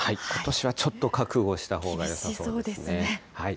ことしはちょっと覚悟したほうがよさそうですね。